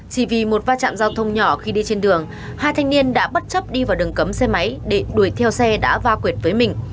chỉ vì một va chạm giao thông nhỏ khi đi trên đường hai thanh niên đã bất chấp đi vào đường cấm xe máy để đuổi theo xe đã va quyệt với mình